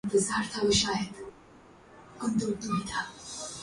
میرے والدین بہت مہربان ہیں